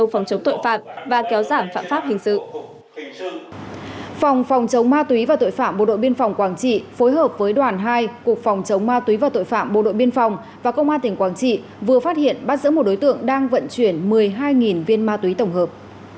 phòng chống ma túy và tội phạm bộ đội biên phòng quảng trị phối hợp với đoàn hai cục phòng chống ma túy và tội phạm bộ đội biên phòng và công an tỉnh quảng trị vừa phát hiện bắt giữ một đối tượng đang vận chuyển một mươi hai viên ma túy tổng hợp